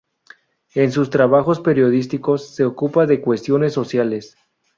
En sus trabajos periodísticos se ocupa de cuestiones sociales.